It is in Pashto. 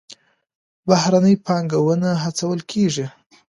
بهرنۍ پانګونه هڅول کیږي